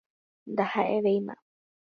Ndaha'evéima